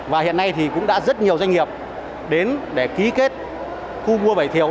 và hiện nay thì cũng đã rất nhiều doanh nghiệp đến để ký kết khu mua vải thiều